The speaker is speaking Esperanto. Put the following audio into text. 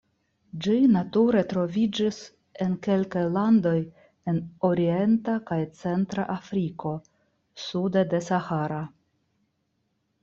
Ĝi nature troviĝis en kelkaj landoj en Orienta kaj Centra Afriko sude de Sahara.